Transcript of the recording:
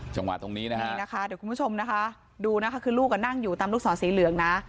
จังหวะตรงนี้นะฮะนี่นะคะเดี๋ยวคุณผู้ชมนะคะดูนะคะคือลูกนั่งอยู่ตามลูกศรสีเหลืองนะ